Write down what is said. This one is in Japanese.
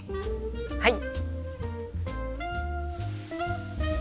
はい！